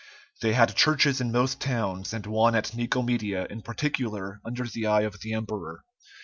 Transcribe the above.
They had churches in most towns, and one at Nicomedia in particular under the eye of the emperor.